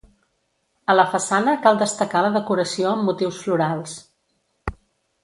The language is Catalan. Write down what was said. A la façana cal destacar la decoració amb motius florals.